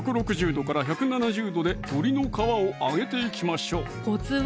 ℃１７０℃で鶏の皮を揚げていきましょうコツは？